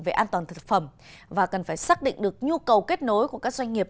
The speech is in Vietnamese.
về an toàn thực phẩm và cần phải xác định được nhu cầu kết nối của các doanh nghiệp